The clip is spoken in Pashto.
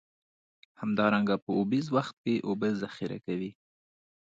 همدارنګه په اوبیز وخت کې اوبه ذخیره کوي.